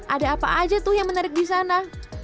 ada apa aja tuh yang menarik di sana